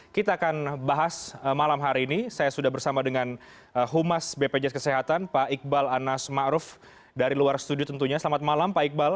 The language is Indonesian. kita akan bahas malam hari ini saya sudah bersama dengan humas bpjs kesehatan pak iqbal anas ⁇ maruf ⁇ dari luar studio tentunya selamat malam pak iqbal